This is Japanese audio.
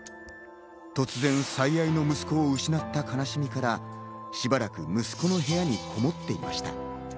突然、最愛の息子を失った悲しみから、しばらく息子の部屋にこもっていました。